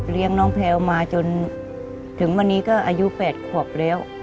น้องแพลวมาจนถึงวันนี้ก็อายุ๘ขวบแล้ว